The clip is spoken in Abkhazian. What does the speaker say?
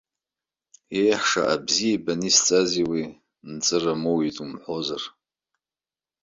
Еҳ, шаҟа бзиа ибаны исҵази уи, нҵыра амоуит умҳәозар.